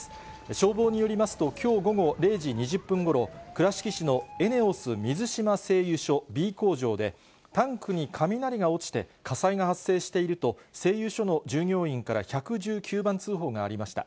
消防によりますと、きょう午後０時２０分ごろ、倉敷市のエネオス水島製油所Ｂ工場で、タンクに雷が落ちて、火災が発生していると、製油所の従業員から１１９番通報がありました。